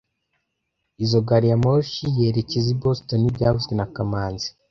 Izoi gari ya moshi yerekeza i Boston byavuzwe na kamanzi